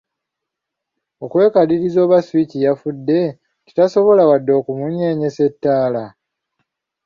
Okwekaliriza oba switch yafudde nti tesobola wadde okumunyeenyesa ettaala?